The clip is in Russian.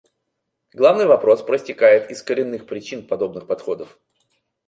Главный вопрос проистекает из коренных причин подобных подходов.